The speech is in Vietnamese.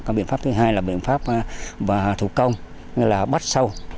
cái biện pháp thứ hai là biện pháp thủ công gọi là bắt sâu